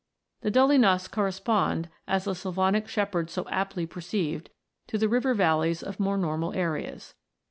The dolinas correspond, as the Slavonic shepherds so aptly perceived, to the river valleys of more normal areas.